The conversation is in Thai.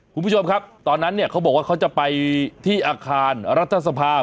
คุณผู้ชมครับตอนนั้นเนี่ยเขาบอกว่าเขาจะไปที่อาคารรัฐสภา